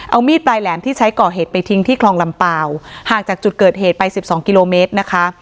เอามีดปลายแหลมที่ใช้ก่อเหตุไปทิ้งที่คลองลำเปล่าห่างจากจุดเกิดเหตุไปสิบสองกิโลเมตรนะคะ